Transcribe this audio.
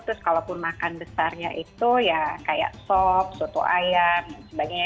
terus kalaupun makan besarnya itu ya kayak sop soto ayam dan sebagainya